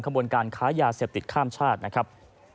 ขบวนการค้ายาเสพติดข้ามชาตินะครับ